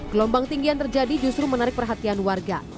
gelombang tinggi yang terjadi justru menarik perhatian warga